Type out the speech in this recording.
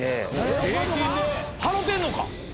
払てんのか？